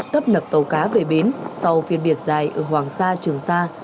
cấp nập tàu cá về biển sau phiên biệt dài ở hoàng sa trường sa